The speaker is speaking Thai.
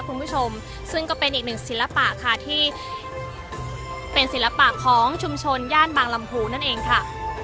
คุณผู้ชมซึ่งก็เป็นอีกหนึ่งศิลปะค่ะที่เป็นศิลปะของชุมชนย่านบางลำพูนั่นเองค่ะ